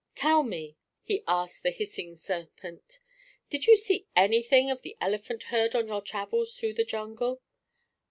Tell me," he asked the hissing serpent, "did you see anything of the elephant herd on your travels through the jungle?"